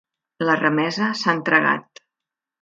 La remesa s'ha entregat.